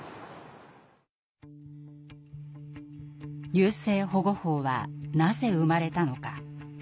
優生保護法はなぜ生まれたのか。